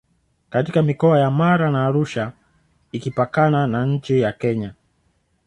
katika mikoa ya Mara na Arusha ikipakana na nchi ya Kenya